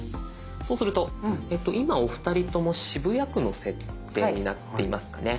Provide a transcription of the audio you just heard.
そうすると今お二人とも渋谷区の設定になっていますかね。